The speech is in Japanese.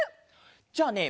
じゃあね